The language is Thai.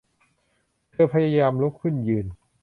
เธอพยายามลุกขึ้นยืน